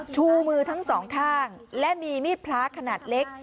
ชูมือทั้งสองข้างและมีมีดพระขนาดเล็ก